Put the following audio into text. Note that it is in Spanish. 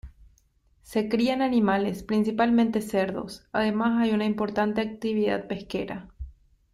Se crían animales principalmente cerdos, además hay una importante actividad pesquera.